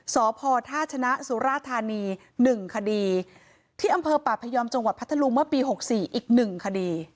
สพท่าชะนศศุ฻ารัฐานี๑คดีที่อประพยอมปภัทธรุงปี๖๔อีก๑คดี